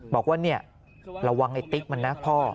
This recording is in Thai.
บอกว่าเนี่ยระวังไอ้ติ๊กมันนะพ่อ